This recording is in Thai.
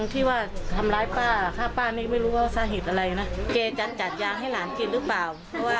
พูดถึงเรื่องของไม่เศร้าว่าในแม็กซ์ได้ทานยาทุกวันหรือเปล่าเนี่ยนะคะ